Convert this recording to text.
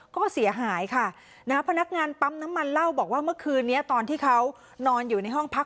ก็เสียหายค่ะนะฮะพนักงานปั๊มน้ำมันเล่าบอกว่าเมื่อคืนนี้ตอนที่เขานอนอยู่ในห้องพัก